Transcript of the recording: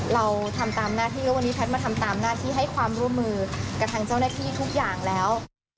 เราทำตามหน้าที่แล้ววันนี้แพทย์มาทำตามหน้าที่ให้ความร่วมมือกับทางเจ้าหน้าที่ทุกอย่างแล้ว